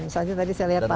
misalnya tadi saya lihat pak